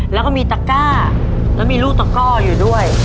แล้วก็มีตะก้าแล้วมีลูกตะก้ออยู่ด้วย